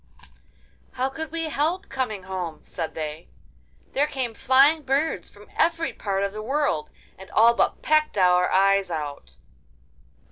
'How could we help coming home?' said they. 'There came flying birds from every part of the world, and all but pecked our eyes out.